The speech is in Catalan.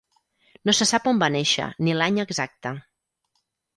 No se sap on va néixer ni l'any exacte.